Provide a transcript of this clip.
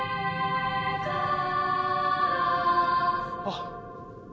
あっ。